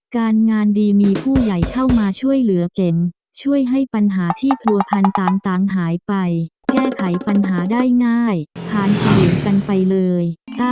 การงานดีมีผู้ใหญ่เข้ามาช่วยเหลือเก่งช่วยให้ปัญหาที่ผัวพันต่างหายไปแก้ไขปัญหาได้ง่ายผ่านชีวิตกันไปเลย